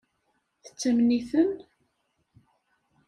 Tettamen-iten?